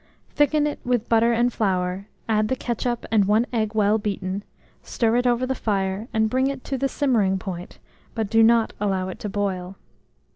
Thicken it with butter and flour, add the ketchup and 1 egg well beaten; stir it over the fire, and bring it to the simmering point, but do not allow it to boil.